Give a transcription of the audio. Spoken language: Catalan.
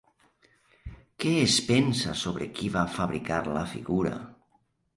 Què es pensa sobre qui va fabricar la figura?